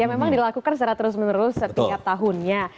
ya memang dilakukan secara terus menerus setiap tahunnya